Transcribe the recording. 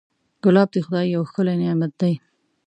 ګلاب د خدای یو ښکلی نعمت دی.